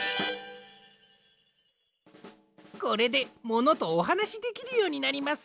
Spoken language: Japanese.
これでモノとおはなしできるようになります。